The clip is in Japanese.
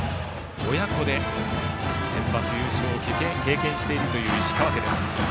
親子でセンバツ優勝を経験している石川家です。